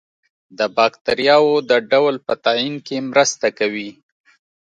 د باکتریاوو د ډول په تعین کې مرسته کوي.